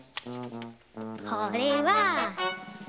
これは。